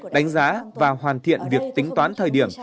đánh giá và hoàn thiện việc tính toán thời điểm